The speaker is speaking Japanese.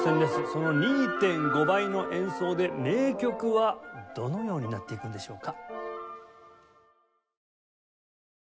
その２．５倍の演奏で名曲はどのようになっていくんでしょうか？